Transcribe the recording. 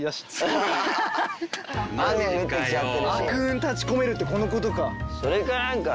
暗雲立ち込めるってこのことか。